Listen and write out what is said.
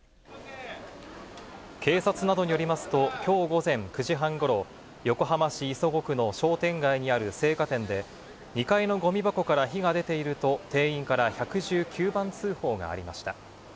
警察などによりますと、きょう午前９時半ごろ、横浜市磯子区の商店街にある青果店で、２階のごみ箱から火が出ていると、店員から１１９番通報がありました。